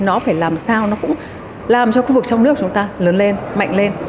nó phải làm sao nó cũng làm cho khu vực trong nước chúng ta lớn lên mạnh lên